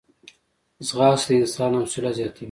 ځغاسته د انسان حوصله زیاتوي